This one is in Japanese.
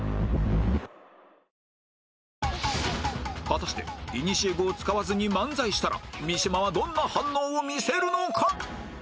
果たしていにしえ語を使わずに漫才したら三島はどんな反応を見せるのか？